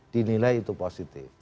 dinilai itu positif